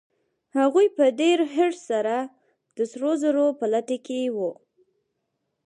هغوی په ډېر حرص سره د سرو زرو په لټه کې وو.